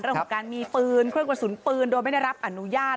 เรื่องของการมีปืนเครื่องกระสุนปืนโดยไม่ได้รับอนุญาต